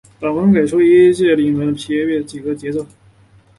本文给出一阶经典场论的协变表述的一些几何结构。